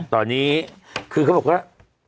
ตอนนี้เขาจะบอกว่า